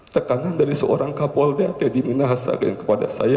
tekanan dari seorang kapolda teddy minahasa yang kepada saya